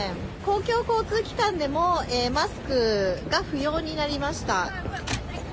公共交通機関でも、マスクが不要になりました。